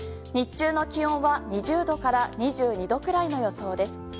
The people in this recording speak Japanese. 日中の気温は２０度から２２度くらいの予想です。